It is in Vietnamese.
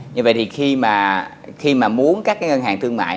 như vậy thì khi mà muốn các ngân hàng thương mại